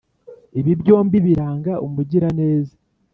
Ibi byombi biranga umugiraneza.